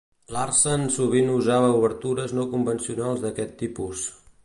Larsen sovint usava obertures no convencionals d'aquest tipus.